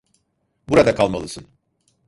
Burada kalmalısın.